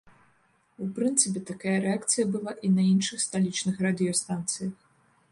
У прынцыпе, такая рэакцыя была і на іншых сталічных радыёстанцыях.